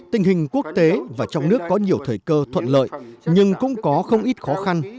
tình hình quốc tế và trong nước có nhiều thời cơ thuận lợi nhưng cũng có không ít khó khăn